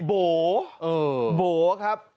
โบ๋โบครับ